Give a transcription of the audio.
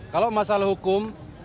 kalau masalah hukum berkaitan